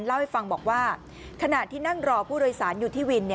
เล่าให้ฟังบอกว่าขณะที่นั่งรอผู้โดยสารอยู่ที่วิน